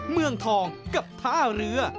เมืองทองกับท่าเรือ